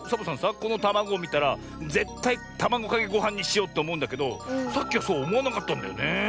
このたまごをみたらぜったいたまごかけごはんにしようっておもうんだけどさっきはそうおもわなかったんだよね。